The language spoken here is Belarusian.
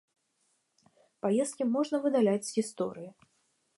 Паездкі можна выдаляць з гісторыі.